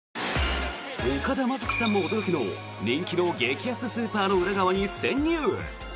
岡田将生さんも驚きの人気の激安スーパーの裏側に潜入！